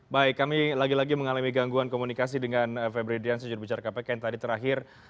baik kami lagi lagi mengalami gangguan komunikasi dengan febri dians jurubicara kpk yang tadi terakhir